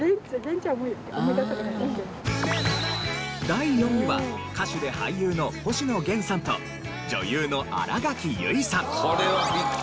第４位は歌手で俳優の星野源さんと女優の新垣結衣さん。